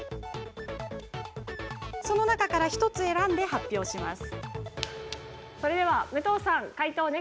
その中から１つ選んで発表します。